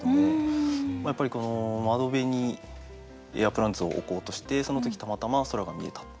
窓辺にエアープランツを置こうとしてその時たまたま空が見えた。